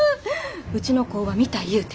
うちの工場見たいいうて。